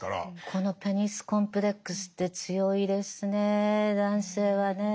このペニス・コンプレックスって強いですね男性はねえ。